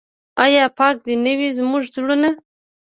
آیا پاک دې نه وي زموږ زړونه؟